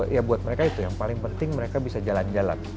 ya buat mereka itu yang paling penting mereka bisa jalan jalan